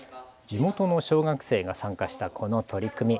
地元の小学生が参加したこの取り組み。